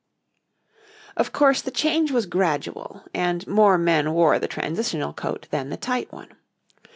}] Of course the change was gradual, and more men wore the transitional coat than the tight one.